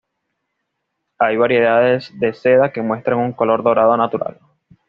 Hay variedades de seda que muestran un color dorado natural.